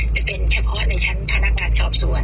จะเป็นเฉพาะในชั้นพนักงานสอบสวน